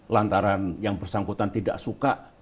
lantaran yang bersangkutan tidak suka